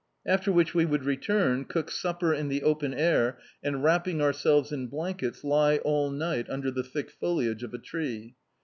After which we would return, cook supper in the open air, and wrapping ourselves in blankets lie all night under the thick foliage of a tree.